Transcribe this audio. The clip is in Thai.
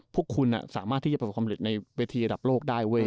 พวกคุณสามารถที่จะประสบความเร็จในเวทีระดับโลกได้เว้ย